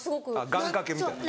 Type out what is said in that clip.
願掛けみたいな。